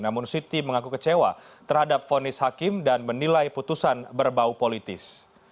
namun siti mengaku kecewa terhadap fonis hakim dan menilai putusan berbau politis